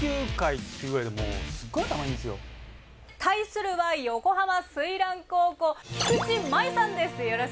対するは横浜翠嵐高校菊地真悠さんです。